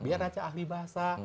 biar aja ahli bahasa